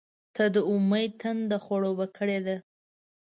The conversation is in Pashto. • ته د امید تنده خړوبه کړې ده.